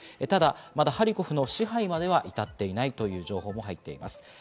ただ、まだハリコフの支配までは至っていないという情報も入っています。